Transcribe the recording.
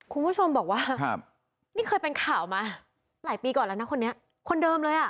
คุณผู้ชมบอกว่านี่เคยเป็นข่าวมาหลายปีก่อนแล้วนะคนนี้คนเดิมเลยอ่ะ